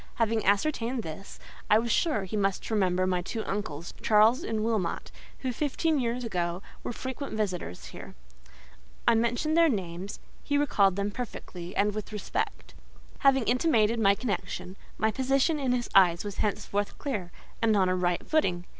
Having ascertained this, I was sure he must remember my two uncles, Charles and Wilmot, who, fifteen, years ago, were frequent visitors here. I mentioned their names; he recalled them perfectly, and with respect. Having intimated my connection, my position in his eyes was henceforth clear, and on a right footing.